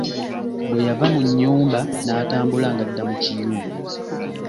Bwe yava mu nnyumba n'atambula ng'adda mu kiyungu.